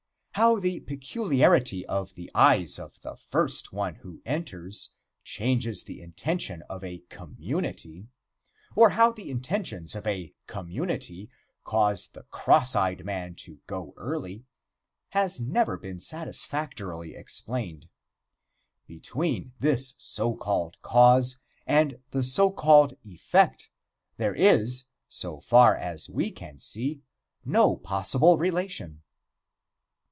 How the peculiarity of the eyes of the first one who enters, changes the intention of a community, or how the intentions of a community cause the cross eyed man to go early, has never been satisfactorily explained. Between this so called cause and the so called effect there is, so far as we can see, no possible relation.